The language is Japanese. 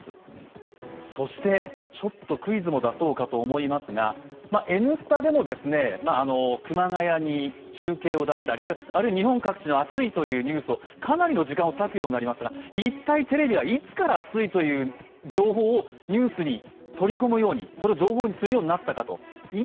そして、ちょっとクイズも出そうかと思いますが、「Ｎスタ」でも熊谷に中継を出したり、あるいは日本各地の暑いというニュースをかなりの時間を割くようになりましたが、一体テレビはいつから暑いという情報をニュースに取り込むように、それを情報にするようになったか。